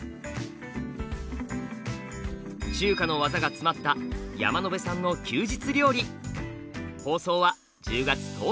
中華の技が詰まった山野辺さんの休日料理。